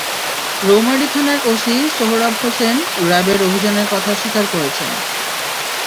রৌমারী থানার ওসি সোহরাব হোসেন র্যা বের অভিযানের কথা স্বীকার করেছেন।